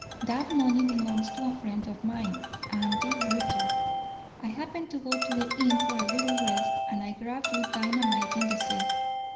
"That money belongs to a friend of mine Andy Rutter. I happen to go to the inn for a little rest, and I grab you dynamiting the safe.